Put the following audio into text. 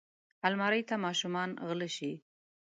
الماري ته ماشومان غله شي